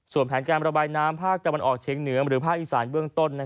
ส่วนแผนการระบายน้ำภาคตะวันออกเชียงเหนือหรือภาคอีสานเบื้องต้น